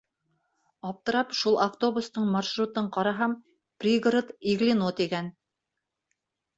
Аптырап шул автобустың маршрутын ҡараһам, «пригород, Иглино» тигән.